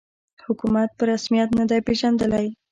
حکومت په رسمیت نه دی پېژندلی